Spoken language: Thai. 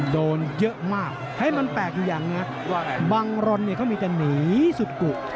โดนเยอะมากให้มันแปลกอยู่อย่างนะบังรนเนี่ยเขามีแต่หนีสุดกุ